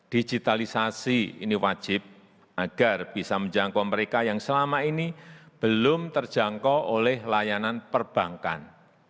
digitalisasi ini wajib agar bisa menjangkau mereka yang selama ini belum terjangkau oleh layanan perbankan